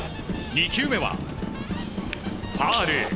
２球目はファウル。